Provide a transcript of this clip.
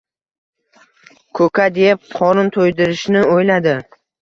Ko‘kat yeb, qorin to‘ydirishni o‘yladi.